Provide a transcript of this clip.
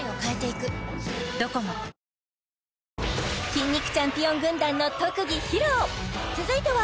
筋肉チャンピオン軍団の特技披露続いては